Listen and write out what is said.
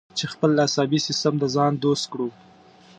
چې خپل عصبي سیستم د ځان دوست کړو.